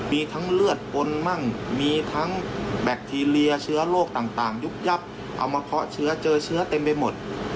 มีทั้งเลือดปนมั่งมีทั้งแบคทีเรียเชื้อโรคต่างยุบยับเอามาเคาะเชื้อเจอเชื้อเต็มไปหมด